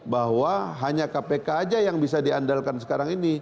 bahwa hanya kpk aja yang bisa diandalkan